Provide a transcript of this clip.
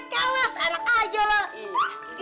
kalah sama anak aja lah